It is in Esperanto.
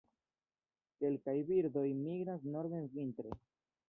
Kelkaj birdoj migras norden vintre.